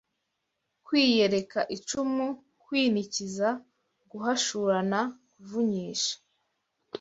kwiyereka icumu kwinikiza guhashurana kuvunyisha